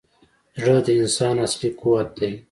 زړه د انسان اصلي قوت دی.